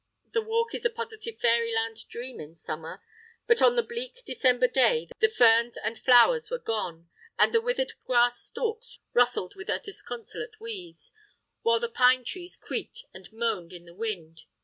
The walk is a positive fairyland dream in summer; but on the bleak December day the ferns and flowers were gone, and the withered grass stalks rustled with a disconsolate wheeze, while the pine trees creaked and moaned in the wind.